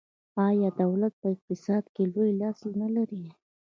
آیا دولت په اقتصاد کې لوی لاس نلري؟